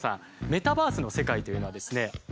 メタバースの世界というのはですね